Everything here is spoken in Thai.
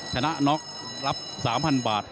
ชนะน็อกรับ๓๐๐๐บาท